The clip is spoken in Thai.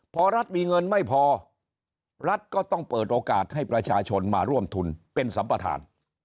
พอรัฐมีเงินไม่พอรัฐก็ต้องเปิดโอกาสให้ประชาชนมาร่วมทุนเป็นสัมประธาน